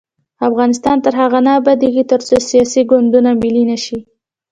افغانستان تر هغو نه ابادیږي، ترڅو سیاسي ګوندونه ملي نشي.